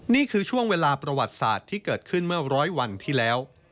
นี่คือช่วงเวลาประวัติศาสตร์ที่เกิดขึ้นเมื่อร้อยวันที่แล้ว